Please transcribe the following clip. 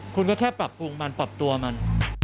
คุณก็แค่ปรับปรุงมันปรับตัวมัน